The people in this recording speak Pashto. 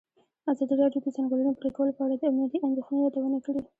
ازادي راډیو د د ځنګلونو پرېکول په اړه د امنیتي اندېښنو یادونه کړې.